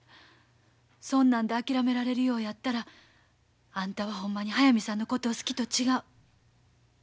そんなんで諦められるようやったらあんたはほんまに速水さんのことを好きと違う。